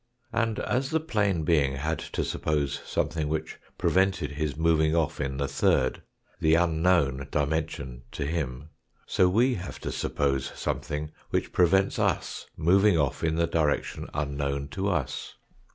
And as the plane being had to suppose something which prevented his moving off in the third, the unknown dimension to him, so we have to suppose something which prevents us moving off in the direction unknown to us.